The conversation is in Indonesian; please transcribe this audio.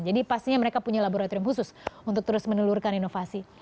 jadi pastinya mereka punya laboratorium khusus untuk terus menelurkan inovasi